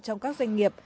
trong các doanh nghiệp